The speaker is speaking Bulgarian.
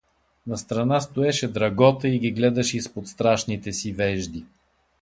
Настрана стоеше Драгота и ги гледаше изпод страшните си вежди.